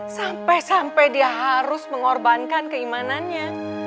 sampai sampai dia harus mengorbankan keimanannya